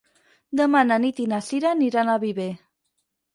Demà na Nit i na Sira aniran a Viver.